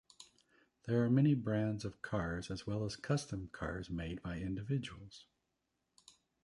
There are many brands of cars as well as custom cars made by individuals.